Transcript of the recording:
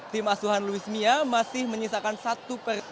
tim asuhan luismia masih menyisakan satu per